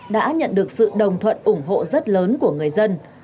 đã nhận được sự đồng thuận ủng hộ rất lớn của người dân